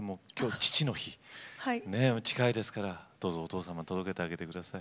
父の日、近いですから、どうぞお父様に届けてあげてください。